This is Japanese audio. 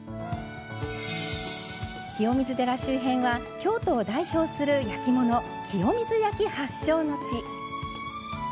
清水寺周辺は京都を代表する焼き物清水焼発祥の地。